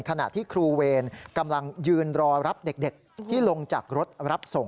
ขณะที่ครูเวรกำลังยืนรอรับเด็กที่ลงจากรถรับส่ง